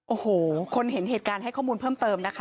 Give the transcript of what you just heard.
โอ้โหคนเห็นเหตุการณ์ให้ข้อมูลเพิ่มเติมนะคะ